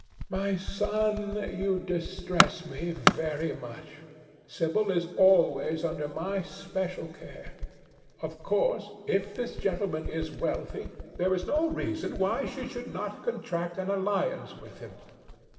"My son, you distress me very much. Sibyl is always under my special care. Of course, if this gentleman is wealthy, there is no reason why she should not contract an alliance with him.